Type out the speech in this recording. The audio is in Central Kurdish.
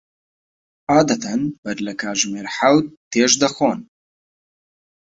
عادەتەن بەر لە کاتژمێر حەوت تێشت دەخۆن؟